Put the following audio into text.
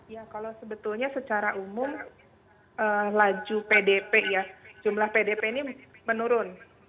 ya kalau sebetulnya secara umum laju pdp ya jumlah pdp ini menurun